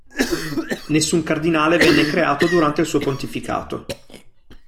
Nessun cardinale venne creato durante il suo pontificato.